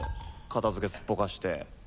片付けすっぽかして。